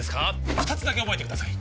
二つだけ覚えてください